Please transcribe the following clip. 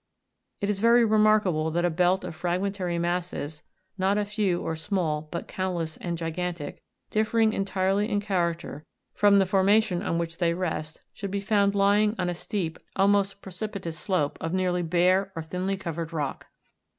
It is very remarkable that a belt of fragmentary masses (not few or small, but countless and gigantic), differing entirely in character from the formation on which they rest, should be found lying on a steep, almost precipitous slope of nearly bare or thinly covered rock.